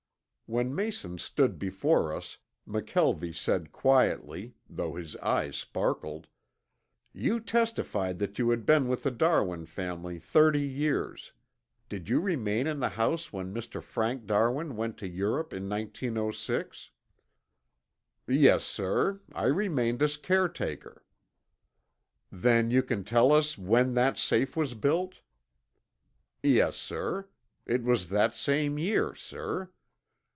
When Mason stood before us McKelvie said quietly, though his eyes sparkled: "You testified that you had been with the Darwin family thirty years. Did you remain in the house when Mr. Frank Darwin went to Europe in 1906?" "Yes, sir. I remained as caretaker." "Then you can tell us when that safe was built?" "Yes, sir. It was that same year, sir.